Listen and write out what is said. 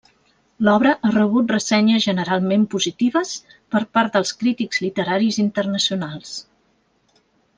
L'obra ha rebut ressenyes generalment positives per part dels crítics literaris internacionals.